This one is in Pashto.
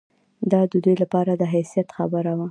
دا د دوی لپاره د حیثیت خبره وه.